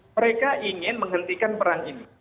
mereka ingin menghentikan perang ini